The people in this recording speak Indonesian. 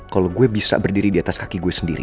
kalau gue bisa berdiri di atas kaki gue sendiri